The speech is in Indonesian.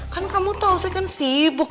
kan kamu tau saya kan sibuk